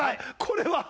これは？